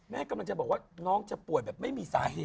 แม่กำลังจะบอกว่าน้องจะป่วยแบบไม่มีสาเหตุ